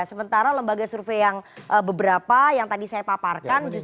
sementara lembaga survei yang beberapa yang tadi saya paparkan justru